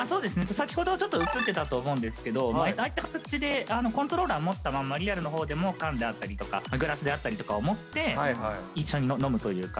先ほどちょっと映ってたと思うんですどああいった形でコントローラーを持ったままリアルの方でも缶であったりとかグラスであったりとかを持って一緒に飲むというか。